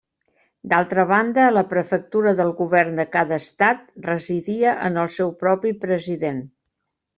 D'altra banda, la Prefectura del Govern de cada Estat residia en el seu propi president.